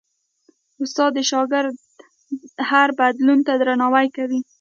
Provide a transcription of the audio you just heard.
استاد د شاګرد هر بدلون ته درناوی کوي.